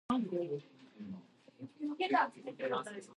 Then the cello.